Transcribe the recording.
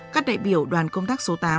các đại biểu đoàn công tác số tám